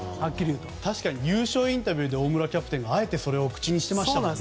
確かに優勝インタビューで大村キャプテンがあえてその話をしていましたね。